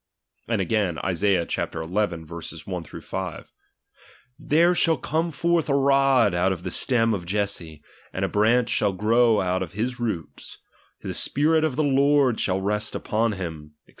And again (Isaiah xi. 1 5) : There shall come forth a rod out of the stem of Jesse, and a branch shall grow out of his roots ; the spirit of the Lord shall rest upon him, &c.